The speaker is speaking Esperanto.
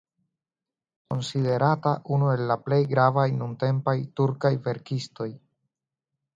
Konsiderata unu el la plej gravaj nuntempaj turkaj verkistoj.